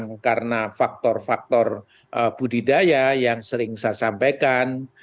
yang karena faktor faktor budidaya yang sering saya sampaikan